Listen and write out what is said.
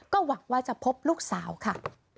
ก็หวังว่าจะพบลูกสาวค่ะ